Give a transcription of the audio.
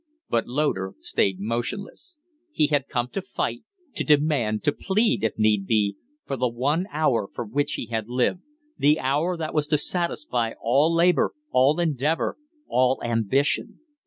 But Loder stayed motionless. He had come to fight, to demand, to plead if need be for the one hour for which he had lived; the hour that was to satisfy all labor, all endeavor, all ambition.